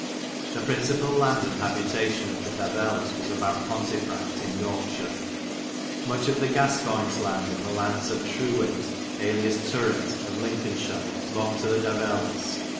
The principal land and habitation of the Davelles was about Pontefracte in Yorkeshire. Much of the Ciascoynes lande and the landes of True whit, alias Turwit, of Lincolnshir, longid to the Davelles.